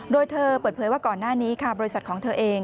โดยเธอเปิดเผยว่าก่อนหน้านี้ค่ะบริษัทของเธอเอง